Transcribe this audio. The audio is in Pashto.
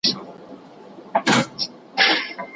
په ټولنه کي به د سولې استازي اوسئ.